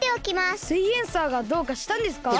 「すイエんサー」がどうかしたんですか？